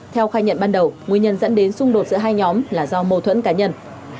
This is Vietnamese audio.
theo khai nhận ban đầu nguyên nhân dẫn đến xung đột giữa hai nhóm là do mâu thuẫn cá nhân